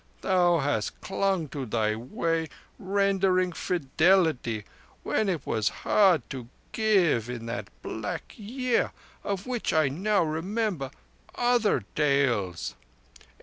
Thou hast clung to thy Way, rendering fidelity when it was hard to give, in that Black Year of which I now remember other tales.